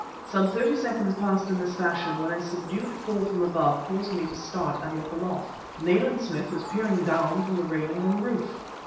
Some thirty seconds passed in this fashion, when a subdued call from above caused me to start and look aloft. Nayland Smith was peering down from the railing on the roof.